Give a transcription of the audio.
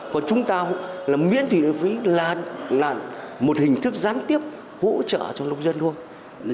còn chúng ta miễn thị lợi phí là một hình thức gián tiếp hỗ trợ cho nông dân thôi